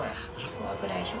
怖くないでしょ？